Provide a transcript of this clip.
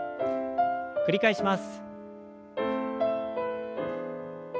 繰り返します。